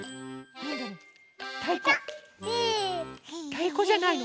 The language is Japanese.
たいこじゃないの？